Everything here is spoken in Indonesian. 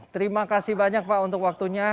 terima kasih banyak pak untuk waktunya